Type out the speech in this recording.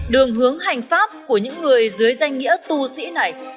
đường hướng hành pháp của những người dưới danh nghĩa tu sĩ này